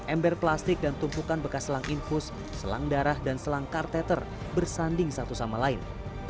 ember plastik dan tumpukan bekas selang infus selang darah dan selang karteter bersanding satu sama lain